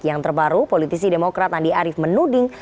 yang terbaru politisi demokrat andi arief menuding